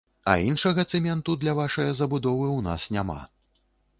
А іншага цэменту для вашае забудовы ў нас няма.